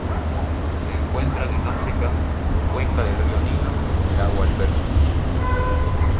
Se encuentran en África: cuenca del río Nilo y lago Alberto.